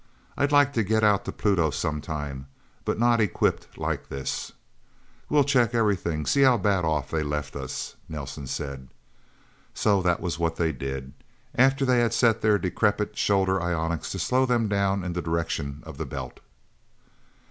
I'd like to get out to Pluto sometime, but not equipped like this." "We'll check everything see how bad off they left us," Nelsen said. So that was what they did, after they had set their decrepit shoulder ionics to slow them down in the direction of the Belt.